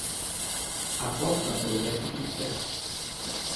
Aposta polo déficit cero